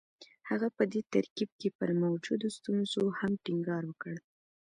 هغه په دې ترکيب کې پر موجودو ستونزو هم ټينګار وکړ.